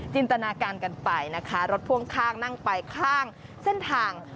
ตนาการกันไปนะคะรถพ่วงข้างนั่งไปข้างเส้นทาง